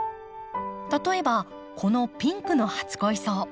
例えばこのピンクの初恋草。